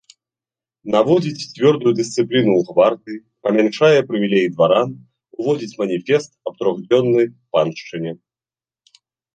Наводзіць цвёрдую дысцыпліну ў гвардыі, памяншае прывілеі дваран, уводзіць маніфест аб трохдзённай паншчыне.